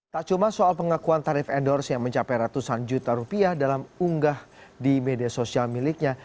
tak cuma soal pengakuan tarif endorse yang mencapai ratusan juta rupiah dalam unggah di media sosial miliknya